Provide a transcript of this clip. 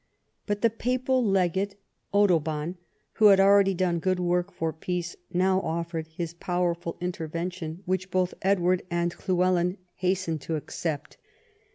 But the papal legate Ottobon, who had already done good work for peace, now offered his powerful intervention, which both Edward and Llywelyn hastened to accept.